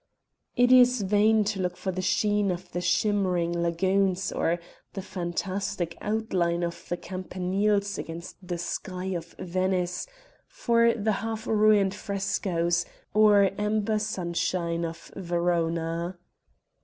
It is vain to look for the sheen of the shimmering lagoons or the fantastic outline of the campaniles against the sky of Venice; for the half ruined frescoes, or amber sunshine of Verona.